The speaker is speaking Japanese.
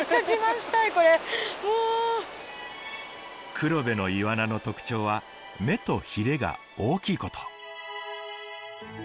黒部のイワナの特徴は目とヒレが大きいこと。